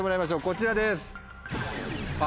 こちらです。